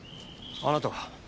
あなたは？